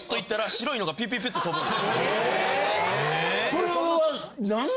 ・それは。